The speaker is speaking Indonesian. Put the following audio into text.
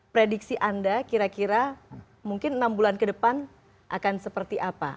prediksi anda kira kira mungkin enam bulan ke depan akan seperti apa